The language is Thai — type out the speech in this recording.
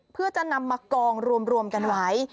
เพื่อจะนำมากองรวมกันไว้